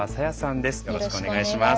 よろしくお願いします。